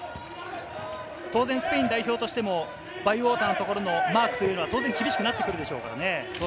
スペイン代表としてもバイウォーターのところのマークというのは厳しくなってくるでしょうからね。